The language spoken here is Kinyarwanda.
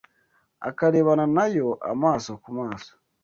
akarebana na yo amaso ku maso,